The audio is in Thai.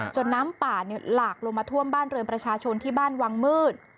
น้ำป่าหลากลงมาท่วมบ้านเรือนประชาชนที่บ้านวังมืด